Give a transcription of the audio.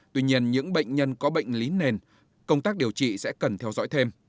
tuy nhiên những bệnh nhân có bệnh lý nền công tác điều trị sẽ cần theo dõi thêm